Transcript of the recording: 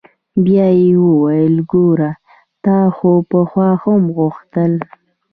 بيا يې وويل ګوره تا خو پخوا هم غوښتل.